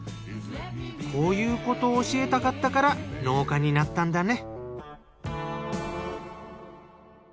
こういうことを教えたかったから農家になったんだね。